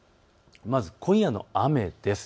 まず今夜の雨です。